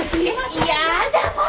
いやだもう！